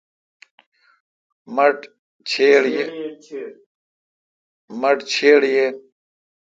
مٹھ چِھڑ یین۔